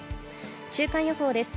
週間予報です。